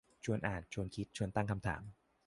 ชวนอ่าน ชวนคิด ชวนตั้งคำถาม